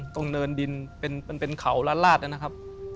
ตรงเนินดินเป็นเขาลาดนะครับ